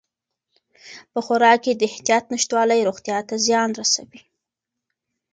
په خوراک کې د احتیاط نشتوالی روغتیا ته زیان رسوي.